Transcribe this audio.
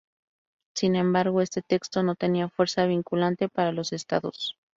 Sin embargo, este texto no tenía fuerza vinculante para los Estados.